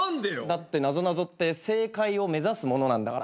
だってなぞなぞってせいかいを目指すものなんだから。